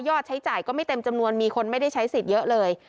ใช้จ่ายก็ไม่เต็มจำนวนมีคนไม่ได้ใช้สิทธิ์เยอะเลย